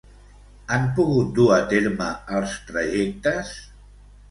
Han pogut dur a terme els trajectes?